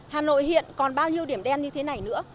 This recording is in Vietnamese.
hà nội hiện còn bao nhiêu điểm đen như thế này nữa